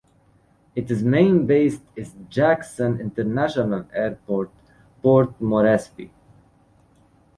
Its main base is Jacksons International Airport, Port Moresby.